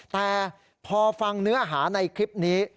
แต่พอฟังเนื้อหาในคลิปนี้